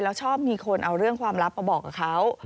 แล้วชอบมีคนเอาเรื่องความลับมาบอกกับเขา